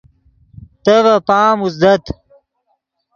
تے ڤے پام اوزدت